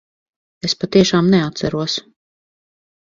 Es patiešām neatceros.